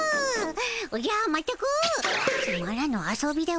おじゃまったくつまらぬ遊びでおじゃる。